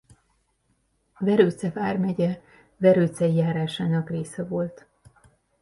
Verőce vármegye Verőcei járásának része volt.